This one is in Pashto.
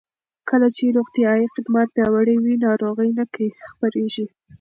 کله چې روغتیايي خدمات پیاوړي وي، ناروغۍ نه خپرېږي.